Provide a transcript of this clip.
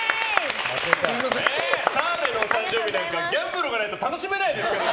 澤部のお誕生日なんかギャンブルがないと楽しめないですから。